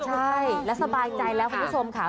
ใช่แล้วสบายใจแล้วคุณผู้ชมค่ะ